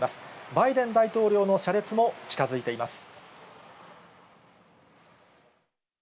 バイデン大統領の車列も近づいています。